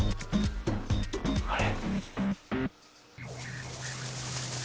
あれ？